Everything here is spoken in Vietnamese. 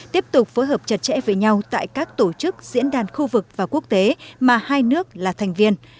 tiếp tục phối hợp chặt chẽ với nhau tại các tổ chức diễn đàn khu vực và quốc tế mà hai nước là thành viên